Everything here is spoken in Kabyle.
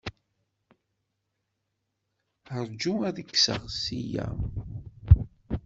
Ṛju ad t-kkseɣ ssya.